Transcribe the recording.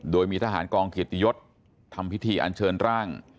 โดยมีทหารกองเกียรติยศทำพิธีอันเชิญร่าง